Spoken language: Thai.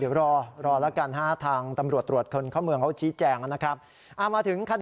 เดี๋ยวรอแล้วกันฮะทางตำรวจตรวจคนเข้าเมืองเขาชี้แจงนะครับ